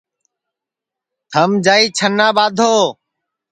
تھم جائی چھنا ٻادھو